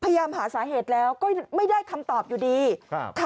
พยายามหาสาเหตุแล้วก็ไม่ได้คำตอบอยู่ดีครับค่ะ